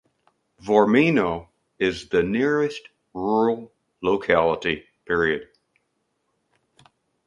Vormino is the nearest rural locality.